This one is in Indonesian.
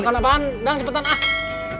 kalau tebak tebakan apaan